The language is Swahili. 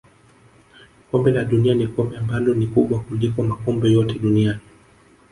kombe la dunia ni kombe ambalo ni kubwa kuliko makombe yote duniani